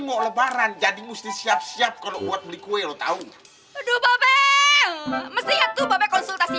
mau lebaran jadi musti siap siap kalau buat beli kue lo tahu aduh babel meski itu babel konsultasi